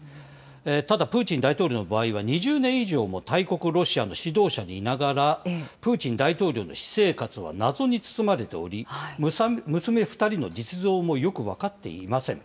ただ、プーチン大統領の場合は、２０年以上も大国ロシアの指導者にいながら、プーチン大統領の私生活は謎に包まれており、娘２人の実像もよく分かっていません。